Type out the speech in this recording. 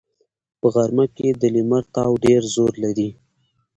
په غرمه کې د لمر تاو ډېر زور لري